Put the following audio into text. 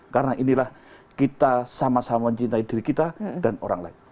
karena inilah kita sama sama mencintai diri kita dan orang lain